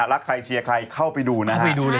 รักใครเชียร์ใครเข้าไปดูนะ